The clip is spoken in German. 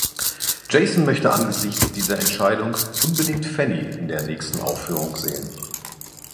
Jason möchte angesichts dieser Entscheidung unbedingt Fanny in der nächsten Aufführung sehen.